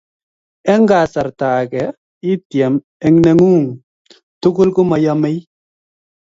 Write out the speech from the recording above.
eng kasrta age itiem eng' nengung tugul komayemei